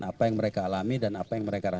apa yang mereka alami dan apa yang mereka rasakan